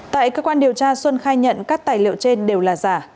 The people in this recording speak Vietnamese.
tại cơ quan điều tra xuân khai nhận các tài liệu trên đều là giả